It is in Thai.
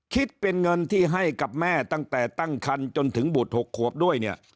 คิดเป็นเงินที่ให้กับแม่ตั้งแต่ตั้งคันจนถึงบุตร๖ขวบด้วยเนี่ย